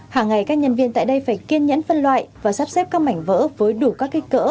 hàng ngày các nhân viên tại đây phải kiên nhẫn phân loại và sắp xếp các mảnh vỡ với đủ các kích cỡ